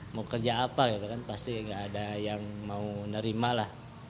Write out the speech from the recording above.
mau kerja apa gitu kan pasti gak ada yang mau nerima lah